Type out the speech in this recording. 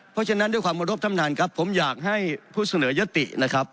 เพราะฉะนั้นด้วยความเคารพท่านท่านครับผมอยากให้ผู้เสนอยตินะครับ